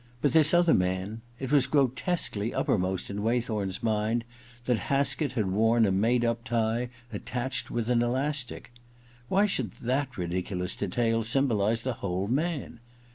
But this other man ... it was grotesquely uppermost in Way thorn's mind that Haskett had worn SLjnzdc^^^ tie attached with an elastic. Why should that ridiculous detail symboHze the whole man